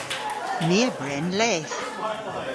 My a bren leth.